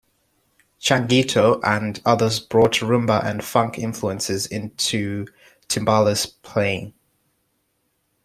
Changuito and others brought rumba and funk influences into timbales playing.